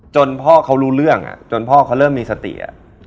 จนพ่อเค้ารู้เรื่องอะจนพ่อเค้าเริ่มมีสติอะ